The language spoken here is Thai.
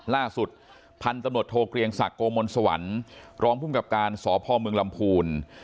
ล่าสุดพันธุ์ตำรวจโทเกลียงศักดิ์โกมลสวรรค์รองภูมิกับการสพเมืองลำพูน